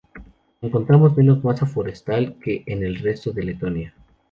Encontramos menos masa forestal que en el resto de Letonia.